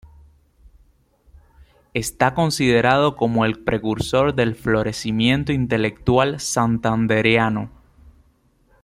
Está considerado como el precursor del florecimiento intelectual santandereano.